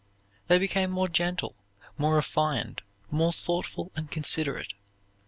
They became more gentle, more refined, more thoughtful and considerate.